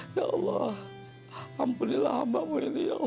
ya allah ampunilah hambamu ini ya allah